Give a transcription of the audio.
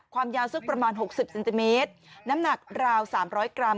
ความยาซึกประมาณหกสิบเซนติเมตรน้ำหนักราวสามร้อยกรัม